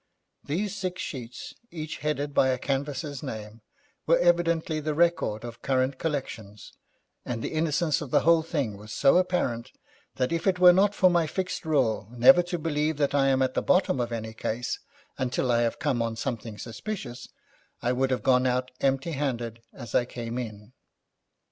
These six sheets, each headed by a canvasser's name, were evidently the record of current collections, and the innocence of the whole thing was so apparent that if it were not for my fixed rule never to believe that I am at the bottom of any case until I have come on something suspicious, I would have gone out empty handed as I came in.